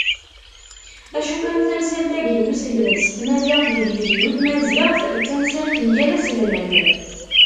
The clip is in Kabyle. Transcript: Acu kan tamsalt-agi n uselmed s tmaziɣt deg ugezdu n tmaziɣt, d tamsalt n yal aselmad.